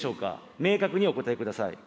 明確にお答えください。